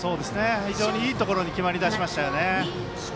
非常にいいところに決まりだしましたよね。